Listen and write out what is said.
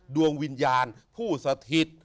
ดวงวิญญาณผู้สถิต